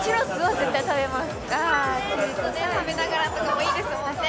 絶対食べます食べながらとかもいいですもんね